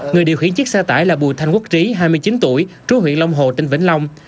người điều khiển chiếc xe tải là bùi thanh quốc trí hai mươi chín tuổi trú huyện long hồ tỉnh vĩnh long